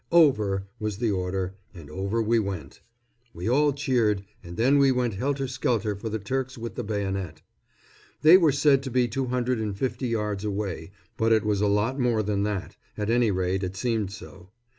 "Over!" was the order, and over we went. We all cheered, and then we went helter skelter for the Turks with the bayonet. They were said to be two hundred and fifty yards away, but it was a lot more than that at any rate it seemed so.